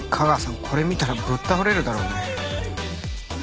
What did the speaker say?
これ見たらぶっ倒れるだろうね。